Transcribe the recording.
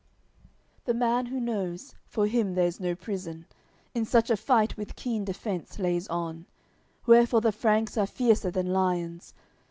CXLII The man who knows, for him there's no prison, In such a fight with keen defence lays on; Wherefore the Franks are fiercer than lions.